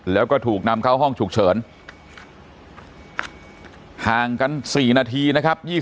แล้วก็ถูกนำเข้าห้องฉุกเฉินห่างกัน๔นาทีนะครับ